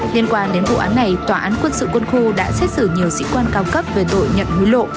liên quan đến vụ án này tòa án quân sự quân khu đã xét xử nhiều sĩ quan cao cấp về tội nhận hối lộ